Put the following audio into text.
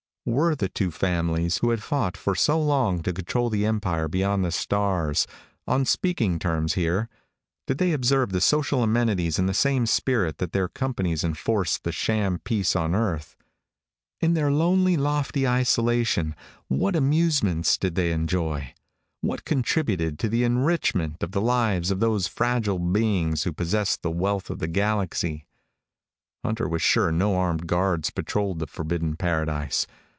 Were the two families, who had fought for so long to control the empire beyond the stars, on speaking terms here? Did they observe the social amenities in the same spirit that their companies enforced the sham peace on earth? In their lonely, lofty isolation, what amusements did they enjoy? What contributed to the enrichment of the lives of those fragile beings who possessed the wealth of the galaxy? Hunter was sure no armed guards patrolled the forbidden paradise.